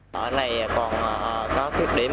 hôm nay còn có thuyết điểm